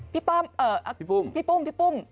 พี่ป้อมพี่ปุ้ม